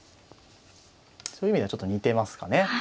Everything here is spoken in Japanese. そういう意味ではちょっと似てますかね。